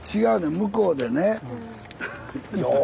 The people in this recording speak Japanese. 向こうでね。